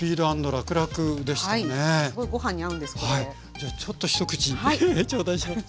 じゃあちょっと一口頂戴します。